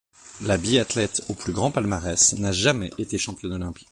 La biathlète au plus grand palmarès n'a jamais été championne olympique.